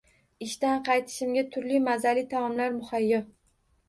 Ishdan qaytishimga turli mazali taomlar muhayyo